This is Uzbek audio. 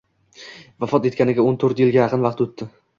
Vafot etganiga o'n to'rt yilga yaqin vaqt o'tdi.